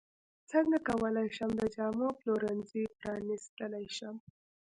څنګه کولی شم د جامو پلورنځی پرانستلی شم